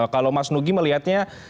kalau mas nugi melihatnya